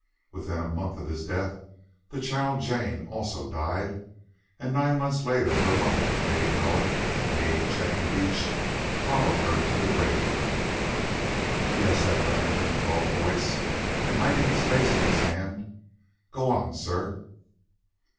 Within a month of his death the child Jane died also, and nine months later her mother, Lady Cohen, nee Jane Beach, followed her to the grave." "Yes," said Leonard in a dull voice, and hiding his face in his hand; "go on, sir."